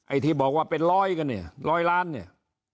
ที่บอกว่าเป็นร้อยกันเนี่ยร้อยล้านเนี่ย